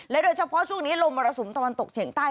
โดยเฉพาะช่วงนี้ลมมรสุมตะวันตกเฉียงใต้